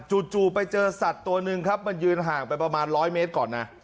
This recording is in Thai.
จู่ไปเจอสัตว์ตัวหนึ่งครับมันยืนห่างไปประมาณ๑๐๐เมตรก่อนนะ